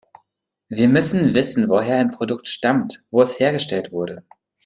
Wir müssen wissen, woher ein Produkt stammt, wo es hergestellt wurde.